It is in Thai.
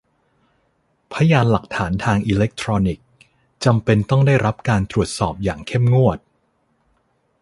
พยานหลักฐานทางอิเล็กทรอนิกส์ จำเป็นต้องได้รับการตรวจสอบอย่างเข้มงวด